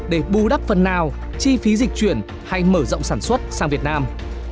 để bù đắp phần nào chi phí dịch chuyển hay mở rộng sản xuất sang việt nam